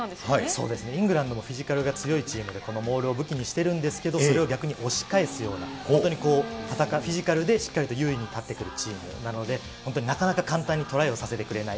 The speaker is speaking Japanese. そうですね、イングランドもフィジカルが強いチームでこのモールを武器にしているんですけれども、それを逆に押し返すような、本当にこう、フィジカルでしっかりと優位に立ってくるチームなので、本当になかなか簡単にトライをさせてくれない。